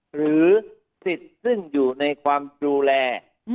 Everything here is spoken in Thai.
หรือสิทธิ์ซึ่งอยู่ในความดูแล